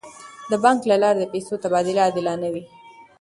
د بانک له لارې د پیسو تبادله عادلانه وي.